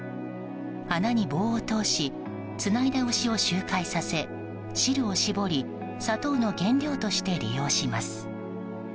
穴に棒を通しつないだ牛を周回させ汁を搾り砂糖の原料として利用します。